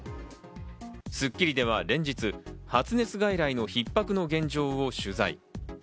『スッキリ』では連日、発熱外来のひっ迫の現状を取材。